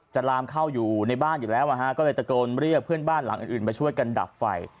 ลามเข้าอยู่ในบ้านอยู่แล้วก็เลยตะโกนเรียกเพื่อนบ้านหลังอื่นมาช่วยกันดับไฟ